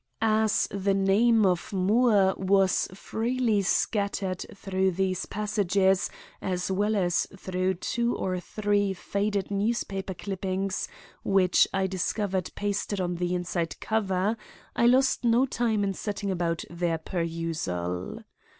As the name of Moore was freely scattered through these passages as well as through two or three faded newspaper clippings which I discovered pasted on the inside cover, I lost no time in setting about their perusal.